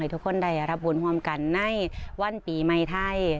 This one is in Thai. ให้ทุกคนได้รับบุญฮวมกันในวันปีไม่ไทย